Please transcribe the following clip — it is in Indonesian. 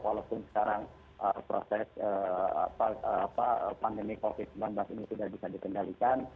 walaupun sekarang proses pandemi covid sembilan belas ini sudah bisa dikendalikan